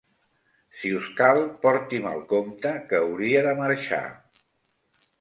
Si us cal, porti'm el compte, que hauria de marxar.